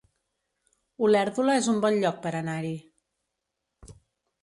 Olèrdola es un bon lloc per anar-hi